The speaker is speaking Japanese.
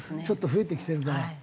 ちょっと増えてきてるから。